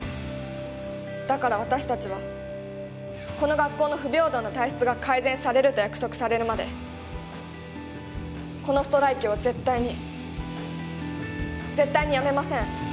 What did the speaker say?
だから私たちはこの学校の不平等な体質が改善されると約束されるまでこのストライキを絶対に絶対にやめません。